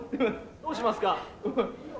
どうしますか？